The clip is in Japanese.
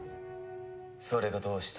それがどうした？